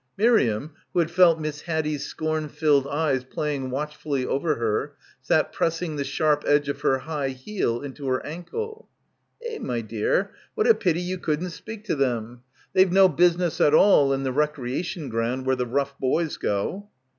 Miriam, who had felt Miss Haddie's scorn filled eyes played watchfully over her, sat press ing the sharp edge of her high heel into her ankle. "Eh, my dear, what a pity you couldn't speak to them. They've no business at all in the recre ation ground where the rough boys go."